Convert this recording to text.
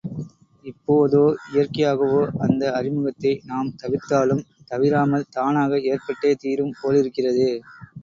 இப்போதோ இயற்கையாகவோ அந்த அறிமுகத்தை நாம் தவிர்த்தாலும், தவிராமல் தானாக ஏற்பட்டே தீரும் போலிருக்கிறது.